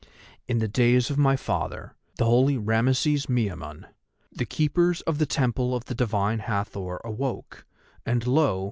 In the days of my father, the holy Rameses Miamun, the keepers of the Temple of the Divine Hathor awoke, and lo!